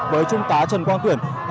với trung tá trần quang tuyển